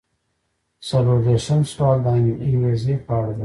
څلور دېرشم سوال د انګیزې په اړه دی.